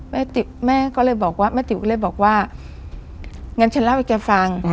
ติ๋วแม่ก็เลยบอกว่าแม่ติ๋วก็เลยบอกว่างั้นฉันเล่าให้แกฟัง